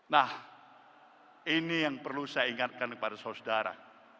nah ini yang perlu saya ingatkan kepada saudara